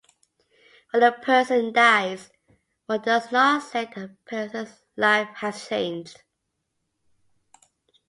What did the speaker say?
When a person dies, one does not say that the person's life has "changed".